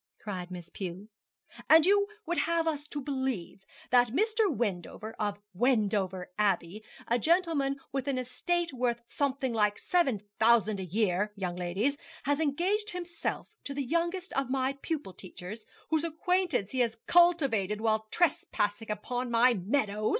cried Miss Pew. 'And you would wish us to believe that Mr. Wendover, of Wendover Abbey a gentleman with an estate worth something like seven thousand a year, young ladies has engaged himself to the youngest of my pupil teachers, whose acquaintance he has cultivated while trespassing on my meadow?